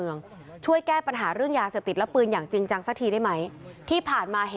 แล้วก็ได้คุยกับนายวิรพันธ์สามีของผู้ตายที่ว่าโดนกระสุนเฉียวริมฝีปากไปนะคะ